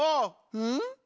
うん？